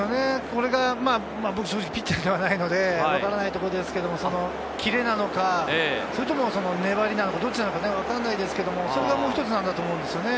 これが僕は正直ピッチャーではないのでわからないところですが、キレなのか粘りなのか、どっちなのかわかんないですけど、それがもう一つなんだと思うんですね。